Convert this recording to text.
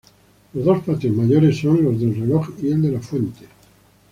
Los dos patios mayores son los del Reloj y el de La Fuente.